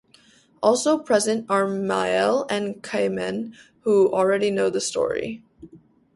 Also present are Mael and Khayman, who already know the story.